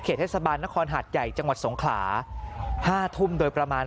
เทศบาลนครหาดใหญ่จังหวัดสงขลา๕ทุ่มโดยประมาณ